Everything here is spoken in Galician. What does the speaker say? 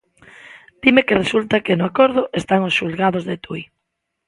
Dime que resulta que no acordo están os xulgados de Tui.